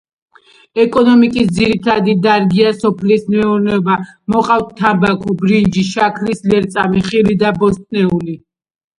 ეკონომიკის ძირითადი დარგია სოფლის მეურნეობა, მოყავთ თამბაქო, ბრინჯი, შაქრის ლერწამი, ხილი და ბოსტნეული.